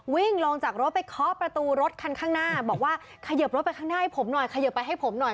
วิ่งลงจากรถไปเคาะประตูรถคันข้างหน้าบอกว่าเขยิบรถไปข้างหน้าให้ผมหน่อยเขยิบไปให้ผมหน่อย